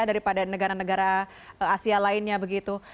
daripada negara negara asia lainnya begitu